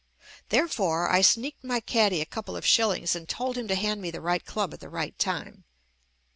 There fore, I sneaked my caddy a couple of shillings and told him to hand me the right club at the right time.